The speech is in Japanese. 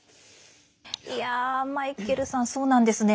えや、マイケルさんそうなんですね。